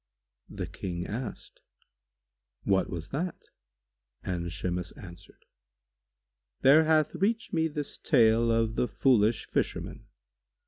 The King asked, "What was that?"; and Shimas answered, "There hath reached me this tale of The Foolish Fisherman.